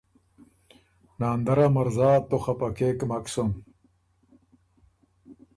”ناندرا مرزا! تُو خپه کېک مک سُن